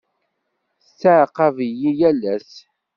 Tettɛaqab-iyi yal ass.